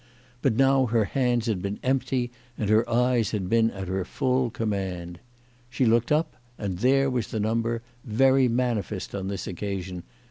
But now her hands had been empty, and her eyes had been at her full com mand. She looked up, and there was the number, very manifest on this occasion, 333.